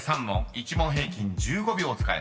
［１問平均１５秒使えます］